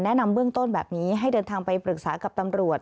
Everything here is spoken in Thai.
แนะนำเบื้องต้นแบบนี้ให้เดินทางไปปรึกษากับตำรวจ